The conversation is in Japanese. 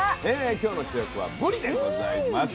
今日の主役はぶりでございます。